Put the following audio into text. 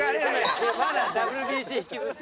まだＷＢＣ引きずって。